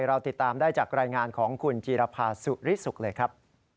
เราติดตามได้จากรายงานของคุณจีรภาสุริสุขเลยครับ